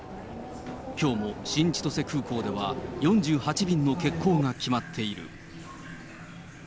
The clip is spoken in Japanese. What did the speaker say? きょうも新千歳空港では、４８便の欠航が決まっている。